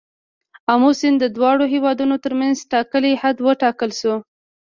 آمو سیند د دواړو هیوادونو تر منځ ټاکلی حد وټاکل شو.